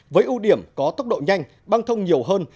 với ưu điểm có tốc độ nhanh băng thông nhiều hơn